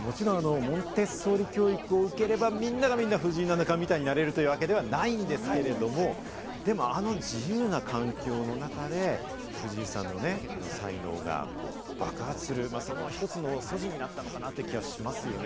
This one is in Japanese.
もちろん、モンテッソーリ教育を受ければ、みんながみんな藤井七冠みたいになれるというわけではないんですけれども、でも、あの自由な環境の中で藤井さんのね、才能が爆発するそのひとつの素地になったのかなという気はしますよね？